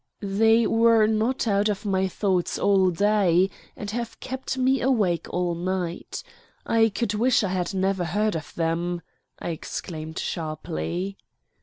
"They were not out of my thoughts all day, and have kept me awake all night. I could wish I had never heard of them!" I exclaimed sharply.